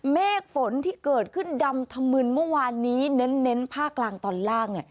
เมฆฝนที่เกิดขึ้นดำธมึนเมื่อวานนี้เน้นภาคกลางตอนล่าง